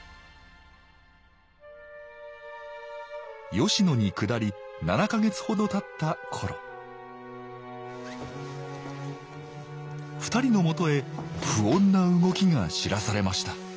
吉野にくだり７か月ほどたった頃２人のもとへ不穏な動きが知らされました